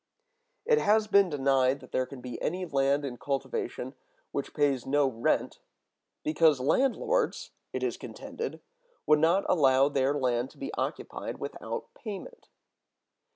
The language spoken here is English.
It has been denied that there can be any land in cultivation which pays no rent, because landlords (it is contended) would not allow their land to be occupied without payment.